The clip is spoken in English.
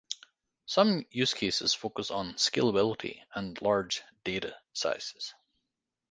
Some use cases focus on scalability and large data sizes.